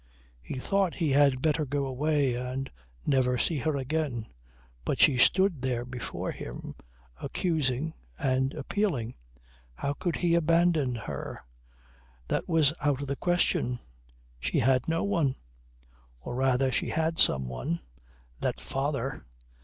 He thought he had better go away and never see her again. But she stood there before him accusing and appealing. How could he abandon her? That was out of the question. She had no one. Or rather she had someone. That father.